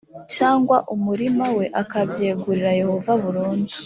cyangwa umurima we akabyegurira yehova burundu